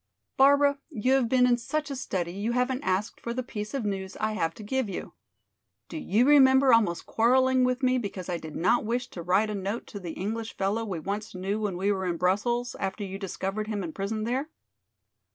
"Barbara, you have been in such a study you haven't asked for the piece of news I have to give you. Do you remember almost quarreling with me because I did not wish to write a note to the English fellow we once knew when we were in Brussels, after you discovered him in prison there?"